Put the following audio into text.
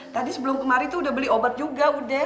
tadi sebelum kemari tuh udah beli obat juga udah